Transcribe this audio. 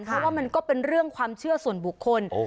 เพราะว่ามันก็เป็นเรื่องความเชื่อส่วนบุคคล